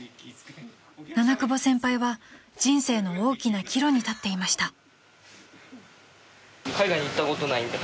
［七久保先輩は人生の大きな岐路に立っていました］